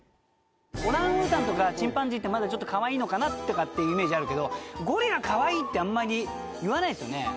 オランウータンとかチンパンジーってまだちょっとカワイイのかなっていうイメージあるけどゴリラカワイイってあんまり言わないっすよね